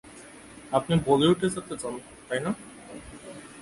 আপনি বলিউডে যেতে চান, তাই না?